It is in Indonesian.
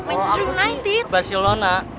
oh aku sih barcelona